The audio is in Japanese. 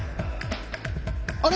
あれ？